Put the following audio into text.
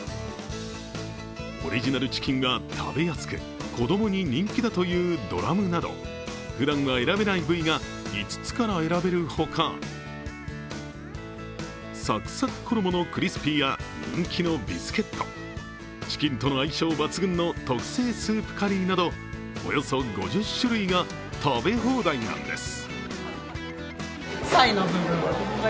オリジナルチキンは食べやすく子供に人気だというドラムなどふだんは選べない部位が５つから選べるほかサクサク衣のクリスピーや人気のビスケット、チキンとの相性抜群の特製スープカリーなどおよそ５０種類が食べ放題なんです。